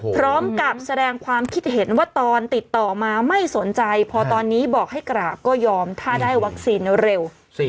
พร้อมกับแสดงความคิดเห็นว่าตอนติดต่อมาไม่สนใจพอตอนนี้บอกให้กราบก็ยอมถ้าได้วัคซีนเร็ว